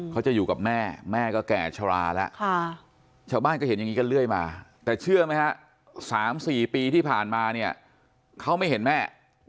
เขาจะอยู่กับแม่แม่ก็แก่ชราแล้วชาวบ้านก็เห็นอย่างนี้กันเรื่อยมาแต่เชื่อไหมฮะ๓๔ปีที่ผ่านมาเนี่ยเขาไม่เห็นแม่